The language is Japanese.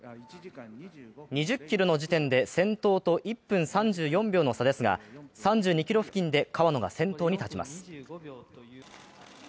２０ｋｍの時点で先頭と１分３４秒の差ですが３２ｋｍ付近で川野が先頭に立ちます。